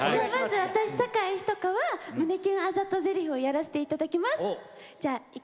私、坂井仁香は胸キュンあざとせりふをやらせていただきます。